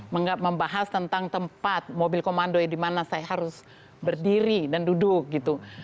membahas tentang tempat mobil komando di mana saya harus berdiri dan duduk gitu